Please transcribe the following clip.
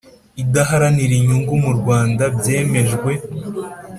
idaharanira inyungu mu Rwanda byemejwe